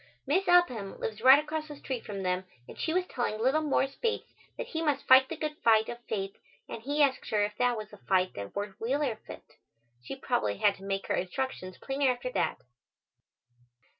Miss Upham lives right across the street from them and she was telling little Morris Bates that he must fight the good fight of faith and he asked her if that was the fight that Wirt Wheeler fit. She probably had to make her instructions plainer after that.